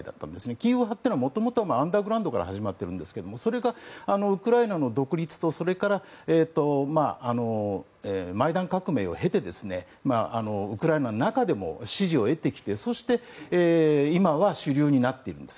キーウ派というのは元々アンダーグラウンドから始まっているんですがそれがウクライナの独立とそれからマイダン革命を経てウクライナの中でも支持を得てきてそして今は主流になっているんです。